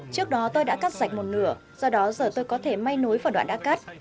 trước đó tôi đã cắt sạch một nửa do đó giờ tôi có thể may nối vào đoạn đã cắt